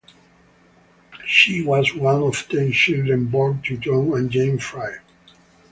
She was one of ten children born to John and Jane Fry.